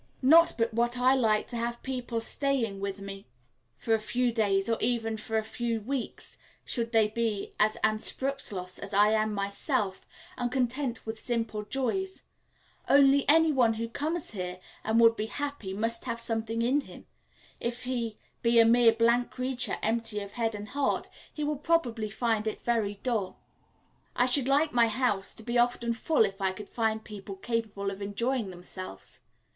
Not but what I like to have people staying with me for a few days, or even for a few weeks, should they be as anspruchslos as I am myself, and content with simple joys; only, any one who comes here and would be happy must have something in him; if he be a mere blank creature, empty of head and heart, he will very probably find it dull. I should like my house to be often full if I could find people capable of enjoying themselves.